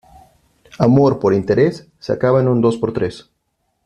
Amor por interés, se acaba en un dos por tres.